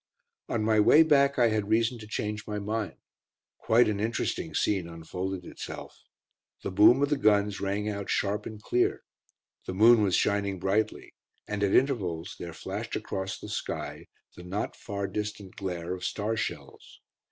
On my way back I had reason to change my mind. Quite an interesting scene unfolded itself. The boom of the guns rang out sharp and clear. The moon was shining brightly, and at intervals there flashed across the sky the not far distant glare of star shells.